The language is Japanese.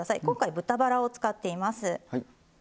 今回豚バラを使っています。